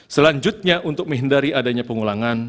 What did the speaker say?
selanjutnya untuk menghindari adanya pengulangan